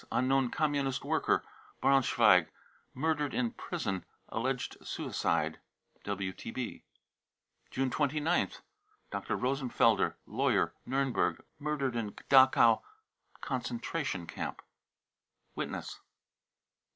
unknown communist worker, Braunschweig, mur | dered in prison, alleged suicide, (WTB.) pae 29th, dr. rosenfelder, lawyer, Niirnberg, murdered in Dachau concentration camp. (Witness.)